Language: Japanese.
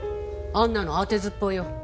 あんなの当てずっぽうよ。